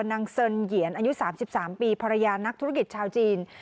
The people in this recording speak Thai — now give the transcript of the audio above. นางเซินเหยียนอายุ๓๓ปีภรรยานักธุรกิจชาวจีน